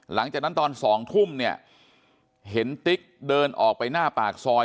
หลังจากนั้นตอน๒ทุ่มเนี่ยเห็นติ๊กเดินออกไปหน้าปากซอย